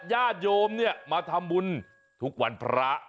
ญาติโยมเนี่ยมาทำบุญทุกวันพระ